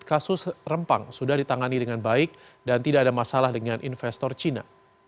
kasus rempang sudah ditangani dengan baik dan tidak ada masalah dengan investor cina